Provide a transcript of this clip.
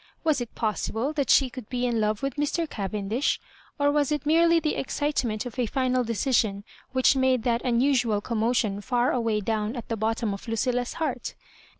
Was it possible that she could be in love with Mr. Cavendish ? or was it merely the excitement of a final decision which made that unusual commotion far away down at the bottom of Lucilla's heart?